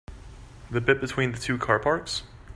The bit between the two car parks?